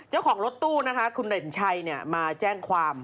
เจ้าของรถตู้นะคะคุณเด่นชัยมาแจ้งความ